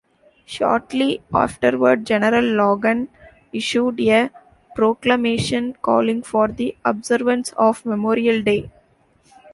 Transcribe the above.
Shortly afterward General Logan issued a proclamation calling for the observance of Memorial Day.